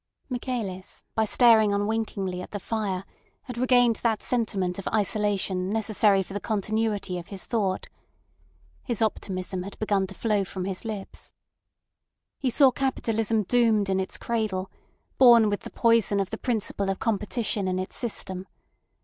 Michaelis by staring unwinkingly at the fire had regained that sentiment of isolation necessary for the continuity of his thought. His optimism had begun to flow from his lips. He saw Capitalism doomed in its cradle, born with the poison of the principle of competition in its system.